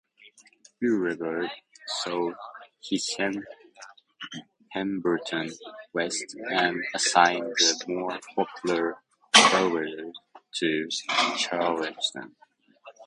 Beauregard, so he sent Pemberton west and assigned the more popular Beauregard to Charleston.